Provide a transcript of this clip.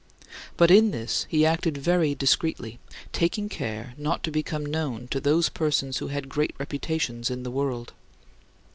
But in this he acted very discreetly, taking care not to become known to those persons who had great reputations in the world.